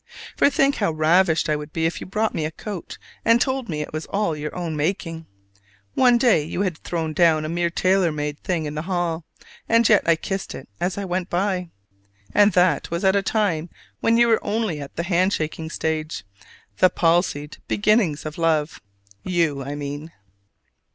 For think how ravished I would be if you brought me a coat and told me it was all your own making! One day you had thrown down a mere tailor made thing in the hall, and yet I kissed it as I went by. And that was at a time when we were only at the handshaking stage, the palsied beginnings of love: you, I mean!